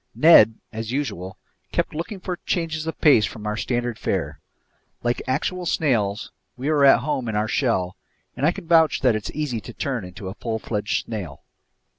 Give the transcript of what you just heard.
Ned, as usual, kept looking for changes of pace from our standard fare. Like actual snails, we were at home in our shell, and I can vouch that it's easy to turn into a full fledged snail.